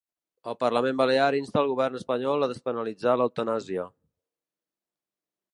El parlament balear insta el govern espanyol a despenalitzar l’eutanàsia.